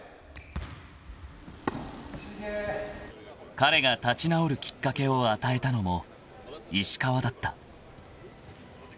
［彼が立ち直るきっかけを与えたのも石川だった］